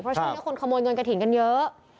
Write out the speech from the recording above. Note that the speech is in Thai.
เพราะช่วงนี้คนขโมยเงินกระถิ่นกันเยอะ